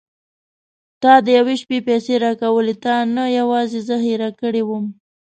تا د یوې شپې پيسې راکولې تا نه یوازې زه هېره کړې وم.